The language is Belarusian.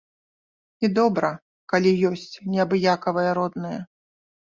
І добра, калі ёсць неабыякавыя родныя.